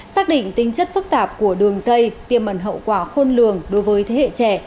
xác định tính chất phức tạp của đường dây tiêm ẩn hậu quả khôn lường đối với thế hệ trẻ